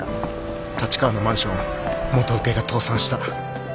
立川のマンション元請けが倒産した。